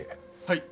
はい。